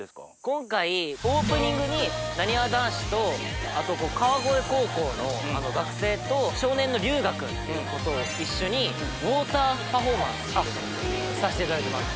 今回オープニングになにわ男子とあと川越高校の学生と少年の龍芽くんっていう子と一緒にウォーターパフォーマンスさしていただきます。